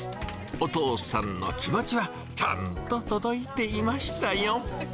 お父さんの気持ちはちゃんと届いていましたよ。